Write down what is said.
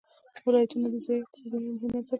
ولایتونه د ځایي اقتصادونو یو مهم بنسټ دی.